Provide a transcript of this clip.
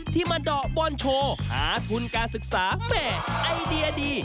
มาเดาะบอลโชว์หาทุนการศึกษาแม่ไอเดียดี